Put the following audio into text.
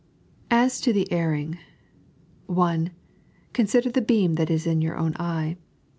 As TO THE EBRiNa — (1) Consider the beam that is in y&tir own eye.